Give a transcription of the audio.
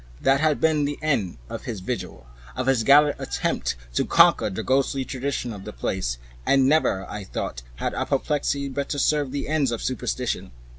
That had been the end of his vigil, of his gallant attempt to conquer the ghostly tradition of the place, and never, I thought, had apoplexy better served the ends of superstition.